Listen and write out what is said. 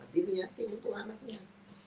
diberi hati untuk anaknya